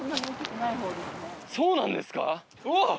そうなんですか？